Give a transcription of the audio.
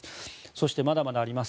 そしてまだまだあります。